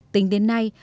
tính đến nay